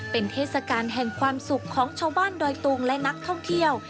เป็นเทศกาลแห่งความสุขของชาวบ้านดอยตุงและนักท่องเที่ยว